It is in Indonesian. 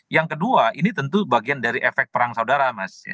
yang kedua ini tentu bagian dari efek perang saudara mas